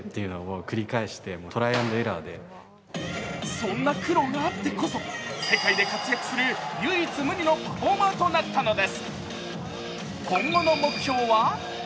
そんな苦労があってこそ世界で活躍する唯一無二のパフォーマーとなったのです。